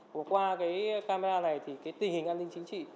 vừa qua cái camera này thì cái tình hình an ninh chính trị